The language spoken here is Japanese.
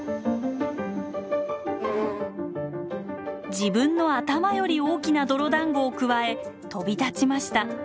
自分の頭より大きな泥だんごをくわえ飛び立ちました。